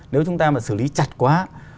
nếu chúng ta mà xử lý chặt quá